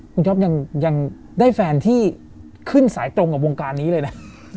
คุณจ๊อปยังได้แฟนที่ขึ้นสายตรงกับวงการนี้เลยนะ